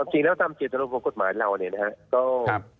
จริงแล้วตามเจตนารมของกฎหมายเราเนี่ยนะครับ